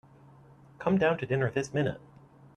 Come down to dinner this minute.